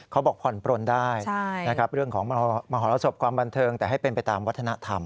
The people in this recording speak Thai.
ผ่อนปลนได้นะครับเรื่องของมหรสบความบันเทิงแต่ให้เป็นไปตามวัฒนธรรม